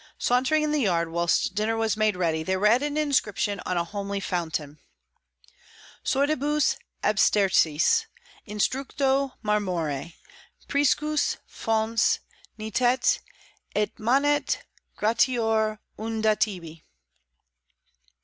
Sauntering in the yard whilst dinner was made ready, they read an inscription on a homely fountain: "Sordibus abstersis, instructo marmore, priscus Fons nitet, et manat gratior unda tibi."